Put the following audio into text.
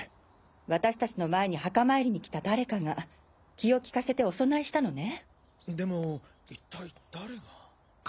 私たちの前に墓参りに来た誰かが気を利かせてお供えしたのね。